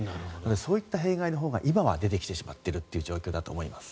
そういった弊害のほうが今は出てきてしまっている状況だと思います。